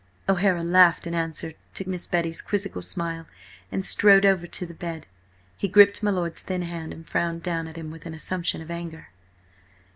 O'Hara laughed in answer to Miss Betty's quizzical smile, and strode over to the bed. He gripped my lord's thin hand and frowned down at him with an assumption of anger.